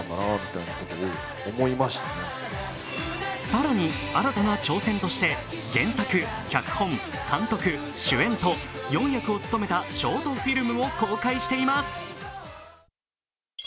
更に新たな挑戦として原作・脚本・監督・主演と４役をつとめたショートフィルムを公開しています。